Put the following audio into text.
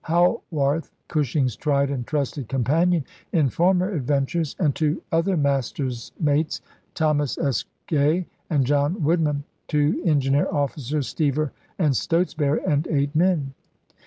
chap.h Howarth, Cushing's tried and trusted companion in former adventures, and two other master's mates, Thos. S. Gray and John Woodman ; two engineer officers, Steever and Stotesbury, and eight men.